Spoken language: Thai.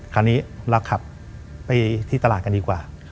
คราวนี้เราขับไปที่ตลาดกันดีกว่า